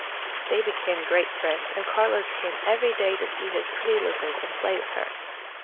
They became great friends, and Carlos came every day to see his pretty lizard and play with her.